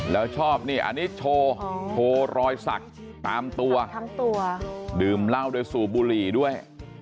แล้วชอบนี่อันนี้โชว์โชว์รอยสักตามตัวทั้งตัวดื่มเหล้าด้วยสูบบุหรี่ด้วย